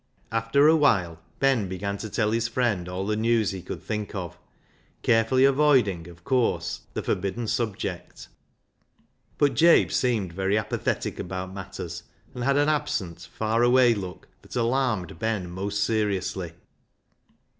After a while Ben began to tell his friend all the news he could think of, carefully avoiding, of course, the forbidden subject. But Jabe seemed very apathetic about matters, and had an absent, far away look that alarmed Ben most seriously.